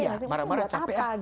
iya marah marah capek ah